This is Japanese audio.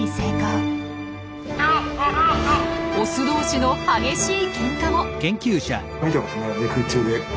オス同士の激しいケンカも！